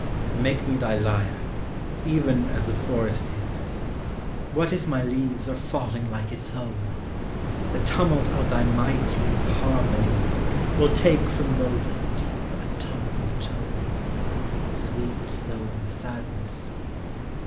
Make me thy lyre, even as the forest is. What if my leaves are falling like its own! The tumult of thy mighty harmonies THE SEASONS. 131 Will take from both a deep autumnal tone Sweet though in sadness.